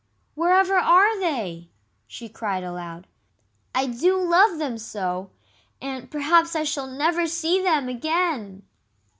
"Wherever are they?" she cried aloud. "I do love them so! And perhaps I shall never see them again!"